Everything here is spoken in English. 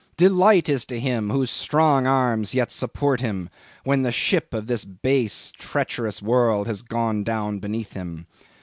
Delight is to him whose strong arms yet support him, when the ship of this base treacherous world has gone down beneath him.